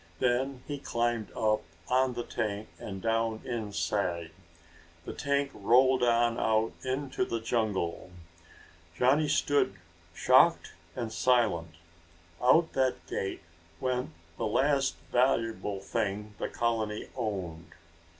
Then he climbed up on the tank and down inside. The tank rolled on out into the jungle. Johnny stood, shocked and silent. Out that gate went the last valuable thing the colony owned!